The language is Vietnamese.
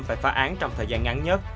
phải phá án trong thời gian ngắn nhất